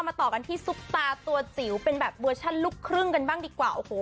มาต่อกันที่ซุปตาตัวจิ๋วเป็นเบอร์ชันลูกครึ่งกันบ้างดีกว่า